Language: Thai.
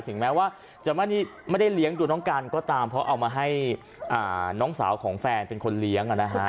ถึงแม้ว่าจะไม่ได้เลี้ยงดูน้องกันก็ตามเพราะเอามาให้น้องสาวของแฟนเป็นคนเลี้ยง